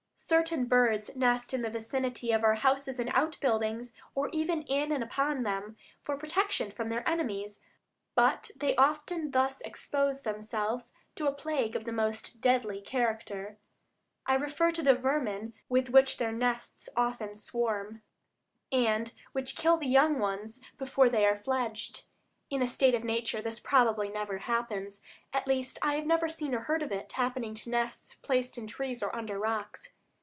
Certain birds nest in the vicinity of our houses and outbuildings, or even in and upon them, for protection from their enemies, but they often thus expose themselves to a plague of the most deadly character. I refer to the vermin with which their nests often swarm, and which kill the young before they are fledged. In a state of nature this probably never happens; at least I have never seen or heard of it happening to nests placed in trees or under rocks.